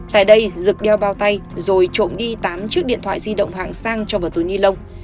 tại đây rực đeo bao tay rồi trộm đi tám chiếc điện thoại di động hạng sang cho vào túi ni lông